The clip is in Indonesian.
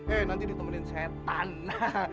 eh nanti ditemenin setan